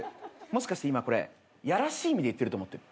もしかして今これやらしい意味で言ってると思ってる？